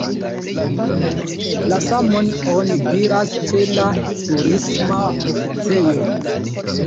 La samon oni diras ĉe la Turisma Oficejo.